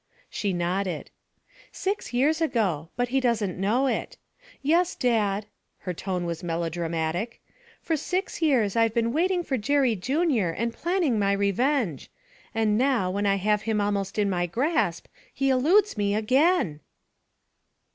She nodded. 'Six years ago but he doesn't know it. Yes, Dad,' her tone was melodramatic, 'for six years I've been waiting for Jerry Junior and planning my revenge. And now, when I have him almost in my grasp, he eludes me again!'